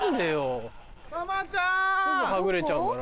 すぐはぐれちゃうんだな。